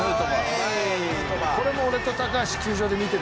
これも俺と高橋球場で見てるからね。